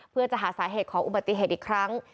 เพื่อจะหาสาเหตุของอุบัติเหตุอีกครั้ง